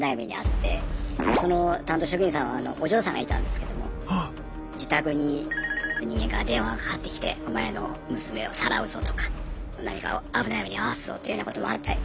その担当職員さんはお嬢さんがいたんですけども自宅にの人間から電話がかかってきてとか何か危ない目に遭わすぞというようなこともあったり。